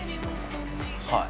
はい。